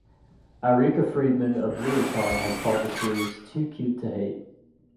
Erica Friedman of Yuricon has called the series "too-cute-to-hate".